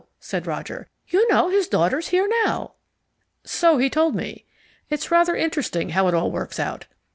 said Roger. "You know his daughter's here now." "So he told me. It's rather interesting how it all works out.